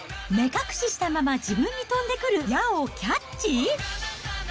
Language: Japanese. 目隠ししたまま自分に飛んでくる矢をキャッチ？